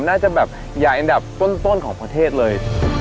น่าจะแบบใหญ่อันดับต้นของประเทศเลย